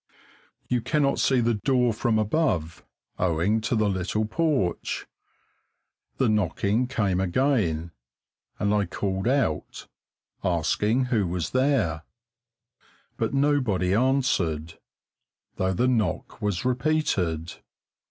You cannot see the door from above, owing to the little porch. The knocking came again, and I called out, asking who was there, but nobody answered, though the knock was repeated.